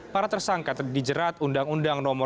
para tersangka terdijerat undang undang nomor sembilan belas